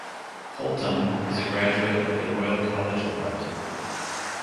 Holtom was a graduate of the Royal College of Art.